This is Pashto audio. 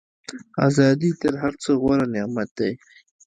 ازادي تر هر څه غوره نعمت دی.